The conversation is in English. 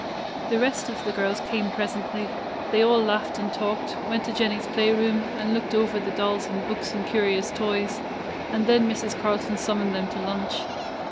The rest of the girls came presently. They all laughed and talked, went to Jennie's play room, and looked over the dolls and books and curious toys, and then Mrs. Carlton summoned them to lunch.